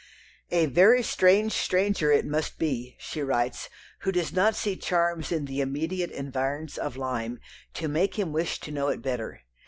"A very strange stranger it must be," she writes, "who does not see charms in the immediate environs of Lyme, to make him wish to know it better.